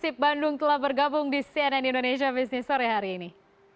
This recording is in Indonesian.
persib bandung telah bergabung di cnn indonesia business sore hari ini